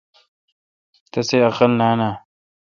تسی عقل نان اؘ۔